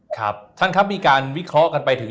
ครับท่านครับมีการวิเคราะห์กันไปถึง